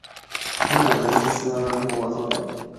أنا من تسمع عنه وترى